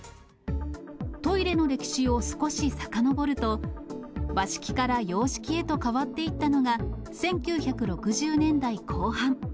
トイレの歴史を少しさかのぼると、和式から洋式へとかわっていったのが１９６０年代後半。